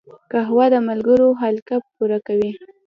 قهوه د ملګرو حلقه پوره کوي